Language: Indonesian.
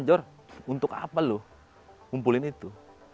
jor untuk apa loh kumpulin itu